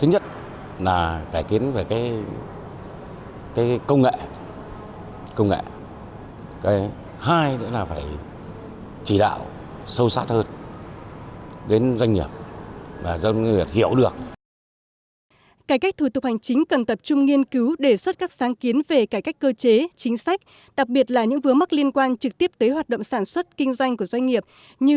hội đồng tư vấn cải cách thủ tục hành chính yêu cầu các bộ ngành cần phải tập trung vào cải cách về thời gian